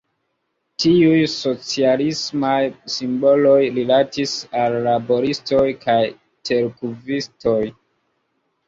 Tiuj socialismaj simboloj rilatis al laboristoj kaj terkultivistoj.